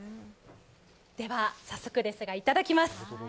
では、早速ですがいただきます。